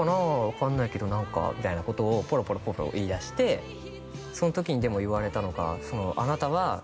「分かんないけど何か」みたいなことをポロポロポロポロ言いだしてその時にでも言われたのが「あなたは」